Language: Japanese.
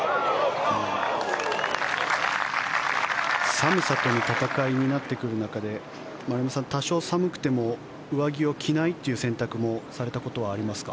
寒さとの戦いになってくる中で丸山さん、多少寒くても上着を着ないという選択もされたことはありますか？